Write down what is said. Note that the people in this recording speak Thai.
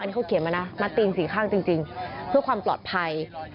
นี่เขาเขียนมานะมาตีนสี่ข้างจริงเพื่อความปลอดภัย